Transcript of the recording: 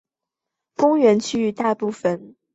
公园区域大部分是以亚寒带针叶林为主的天然林。